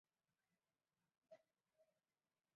西汉帝王郊祀之礼沿袭秦代。